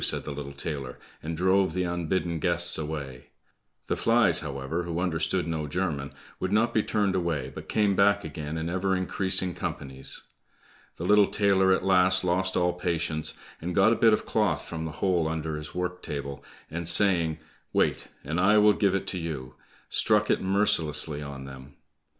said the little tailor, and drove the unbidden guests away. The flies, however, who understood no German, would not be turned away, but came back again in ever increasing companies. The little tailor at last lost all patience, and got a bit of cloth from the hole under his work table, and saying, "Wait, and I will give it to you," struck it mercilessly on them.